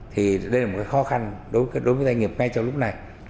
thì đây là một khó khăn đối với doanh nghiệp ngay trong lúc này